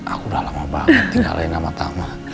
aku udah lama banget tinggalin nama tama